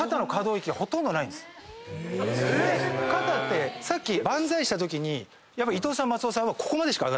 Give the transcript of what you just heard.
で肩ってさっき万歳したときにやっぱ伊藤さん松尾さんはここまでしか上がってない。